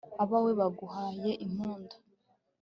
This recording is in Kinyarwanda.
abawe baguhaye impundu